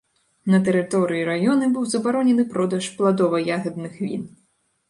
На тэрыторыі раёна быў забаронены продаж пладова-ягадных він.